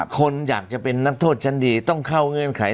คนอยากจะเป็นนักโทษชั้นดีต้องเข้าเงื่อนไข